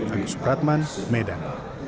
agus pratman medan